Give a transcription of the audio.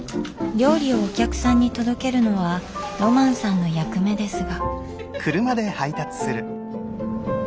料理をお客さんに届けるのはロマンさんの役目ですが。